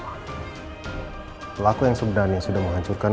pelaku yang sebenarnya sudah menghancurkan